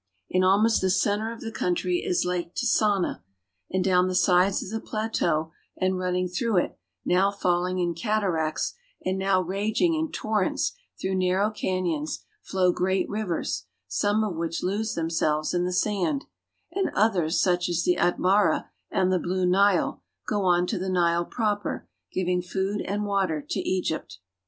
In almost the center of the country is Lake Tsana(tsan'a), and down the sides of the plateau and running through it, now falling in cataracts and now raging in torrents through narrow canyons, flow great rivers, some of which lose them selves in the sand ; and others, such as the Atbara and the Blue Nile, go on to the Nile proper, giving food and water to Egypt.